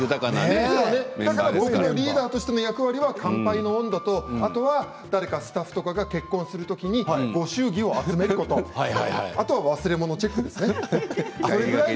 リーダーとしての役割は乾杯の音頭と誰かスタッフのメンバーが結婚する時にご祝儀を集めることと忘れ物チェックですね。